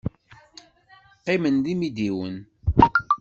Qqimen d imidiwen.